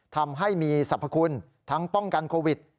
ทำให้มีสรรพคุณทั้งป้องกันโควิด